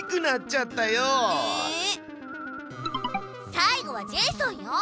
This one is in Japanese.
最後はジェイソンよ。